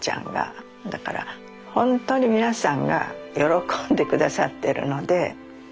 だからほんとに皆さんが喜んで下さってるので。